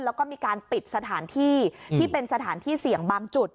แล้วก็มีการปิดสถานที่ที่เป็นสถานที่เสี่ยงบางจุด